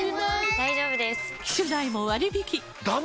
大丈夫です！